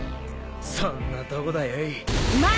そんなとこだよい。